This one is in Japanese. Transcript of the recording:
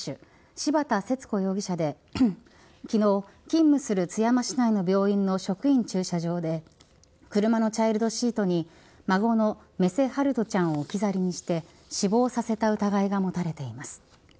柴田節子容疑者で昨日、勤務する津山市内の病院の職員駐車場で車のチャイルドシートに孫の目瀬陽翔ちゃんを置き去りにして死亡させた疑いが持たれています。